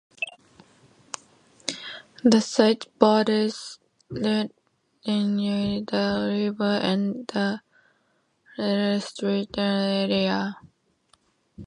The site borders lengthways the river and the residential streets in the conservation area.